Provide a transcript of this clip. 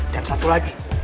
dan satu lagi